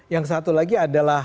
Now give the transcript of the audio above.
yang satu lagi adalah